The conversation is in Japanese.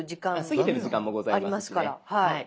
過ぎてる時間もございますしね。